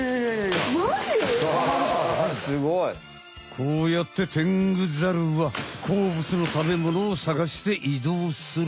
こうやってテングザルはこうぶつの食べものをさがしていどうする。